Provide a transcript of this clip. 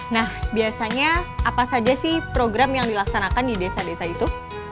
nah biasanya apa saja sih program yang dilaksanakan di desa desa itu